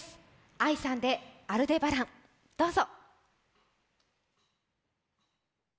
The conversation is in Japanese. ＡＩさんで「アルデバラン」どうぞ。